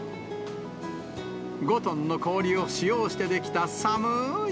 ５トンの氷を使用して出来たさむーい